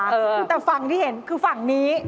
แต่ฝั่งที่เห็นคือฝั่งนี้